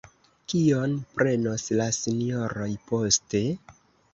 Kion prenos la Sinjoroj poste?